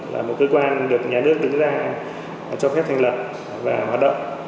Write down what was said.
là một cơ quan được nhà nước đứng ra cho phép thành lập và hoạt động